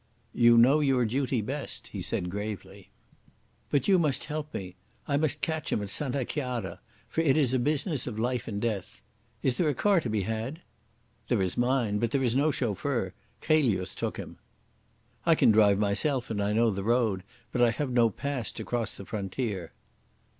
"You know your duty best," he said gravely. "But you must help me. I must catch him at Santa Chiara, for it is a business of life and death. Is there a car to be had?" "There is mine. But there is no chauffeur. Chelius took him." "I can drive myself and I know the road. But I have no pass to cross the frontier."